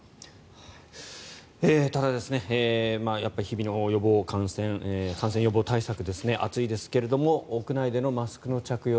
ただ、やっぱり日々の感染予防対策ですね暑いですけれど屋内でのマスクの着用